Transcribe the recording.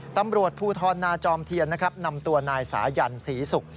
ตำรวจผู้ทอดนาจอมเทียนนำตัวนายสายันศรีศุกร์